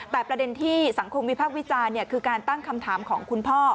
แต่ประเด็นที่สังคมวิพากษ์วิจารณ์คือการตั้งคำถามของคุณพ่อ